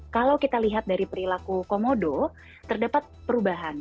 kalau kita lihat dari perilaku komodo terdapat perubahan